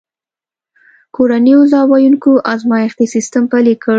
کورنیو ځواب ویونکی ازمایښتي سیستم پلی کړ.